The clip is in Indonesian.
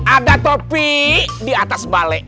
ada topi di atas balek